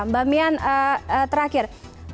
mbak mian terakhir